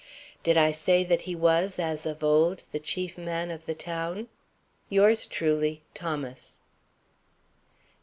Did I say that he was, as of old, the chief man of the town? Yours truly, THOMAS.